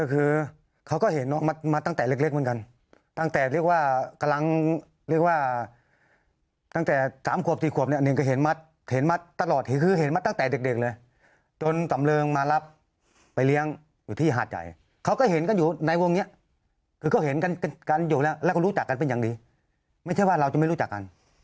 คือเขาก็เห็นน้องมาตั้งแต่เล็กเหมือนกันตั้งแต่เรียกว่ากำลังเรียกว่าตั้งแต่๓ขวบ๔ขวบเนี่ยหนึ่งก็เห็นมัดตลอดเห็นคือเห็นมาตั้งแต่เด็กเลยจนสำเริงมารับไปเลี้ยงอยู่ที่หาดใหญ่เขาก็เห็นกันอยู่ในวงนี้คือเขาเห็นกันอยู่แล้วแล้วก็รู้จักกันเป็นอย่างดีไม่ใช่ว่าเราจะไม่รู้จักกัน